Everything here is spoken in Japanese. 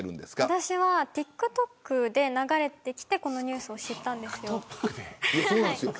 私はＴｉｋＴｏｋで流れてきてこのニュースを知ったんですよ。